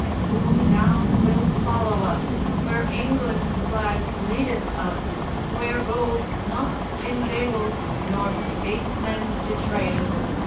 _ Who now will follow us Where England's flag leadeth us, Where gold not inveigles, Nor statesmen betray?